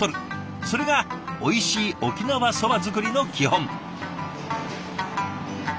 それがおいしい沖縄そば作りの基本。